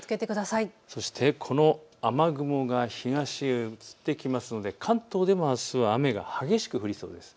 そしてこの雨雲は東へ移ってくるので関東でもあすは雨が激しく降りそうです。